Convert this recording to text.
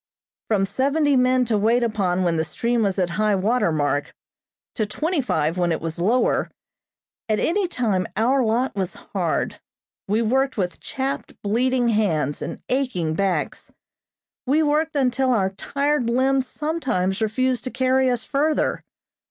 From seventy men to wait upon when the stream was at high water mark, to twenty five when it was lower, at any time our lot was hard. We worked with chapped, bleeding hands and aching backs. We worked until our tired limbs sometimes refused to carry us further.